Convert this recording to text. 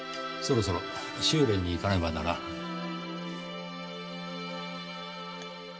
そろそろ修練に行かねばならん。